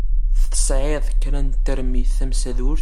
Tesɛiḍ kra n termit tamsadurt?